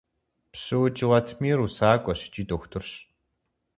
ПщыукӀ Латмир усакӀуэщ икӀи дохутырщ.